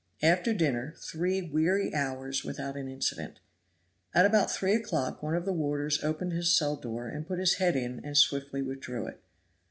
After dinner three weary hours without an incident. At about three o'clock one of the warders opened his cell door and put his head in and swiftly withdrew it.